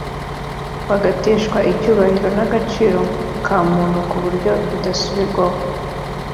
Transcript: bagateshwa icyubahiro n’agaciro ka muntu ku buryo budasubirwaho